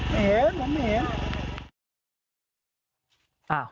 ไม่เห็นผมไม่เห็น